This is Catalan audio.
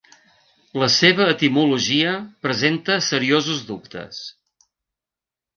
La seva etimologia presenta seriosos dubtes.